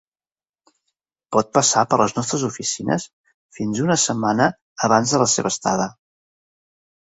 Pot passar per les nostres oficines fins una setmana abans de la seva estada.